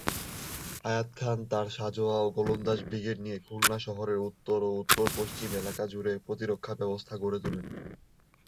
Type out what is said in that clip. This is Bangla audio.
হায়াত খান তার সাঁজোয়া ও গোলন্দাজ ব্রিগেড নিয়ে খুলনা শহরের উত্তর ও উত্তর-পশ্চিম এলাকা জুড়ে প্রতিরক্ষা ব্যবস্থা গড়ে তোলেন।